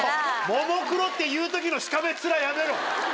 「ももクロ」って言う時のしかめっ面やめろ！